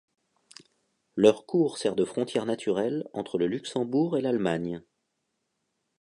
Leur cours sert de frontière naturelle entre le Luxembourg et l'Allemagne.